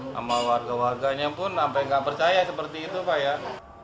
dengan warga warganya pun sampai gak percaya seperti itu pak